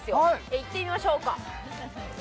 行ってみましょうか。